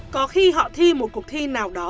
có khi họ thi một cuộc thi nào đó